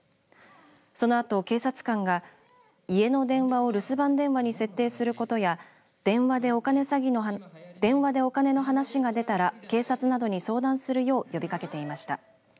そのあと警察官が家の電話を留守番電話に設定することや電話でお金の話が出たら警察などに相談するよう呼びかけていました。